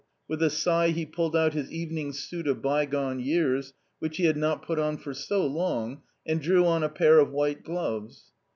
With a sigh he pulled out his evening suit of bygone years, which he had not put on for so long, and drew on a pair of white gloves.